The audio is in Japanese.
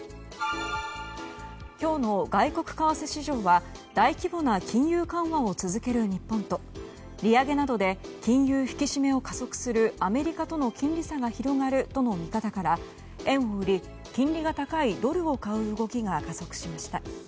今日の外国為替市場は大規模な金融緩和を続ける日本と利上げなどで金融引き締めを加速するアメリカとの金利差が広がるとの見方から円を売り、金利が高いドルを買う動きが加速しました。